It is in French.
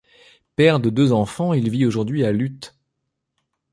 Père de deux enfants, il vit aujourd'hui à Lütte.